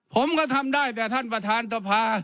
ผมก็ทำได้แต่ท่านประธานสภา